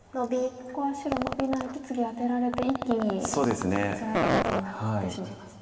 そこは白ノビないと次アテられて一気につらい形になってしまいますね。